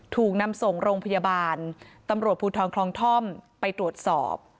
ถูกนำส่งโรงพยาบาลตำรวจภูทรคลองท่อมไปตรวจสอบ